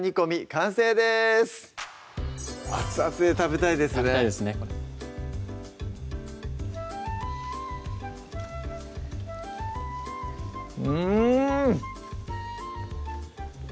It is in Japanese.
完成です熱々で食べたいですね食べたいですねうん！